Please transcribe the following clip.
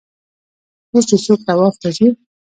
اوس چې څوک طواف ته ځي.